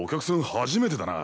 初めてだな。